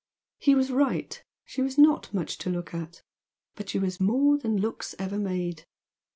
He was right. She was not much to look at. But she was more than looks ever made.